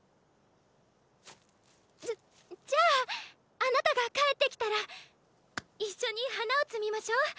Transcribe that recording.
じゃじゃああなたが帰ってきたらッ一緒に花を摘みましょ！